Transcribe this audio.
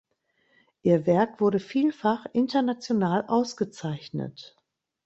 Ihr Werk wurde vielfach international ausgezeichnet.